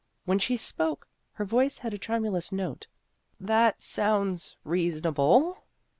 When she spoke, her voice had a tremulous note :" That sounds reasonable."